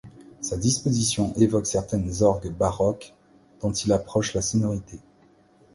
Sa disposition évoque certaines orgues baroques, dont il approche la sonorité.